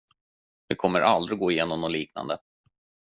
Vi kommer aldrig att gå igenom något liknande.